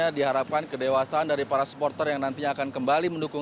diharapkan kedewasaan dari para supporter yang nantinya akan kembali mendukung